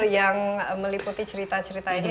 yang meliputi cerita cerita ini